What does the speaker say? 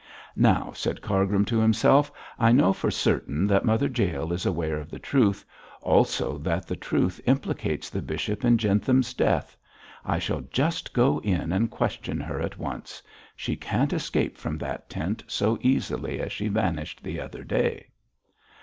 'Now,' said Cargrim to himself, 'I know for certain that Mother Jael is aware of the truth, also that the truth implicates the bishop in Jentham's death. I shall just go in and question her at once. She can't escape from that tent so easily as she vanished the other day.'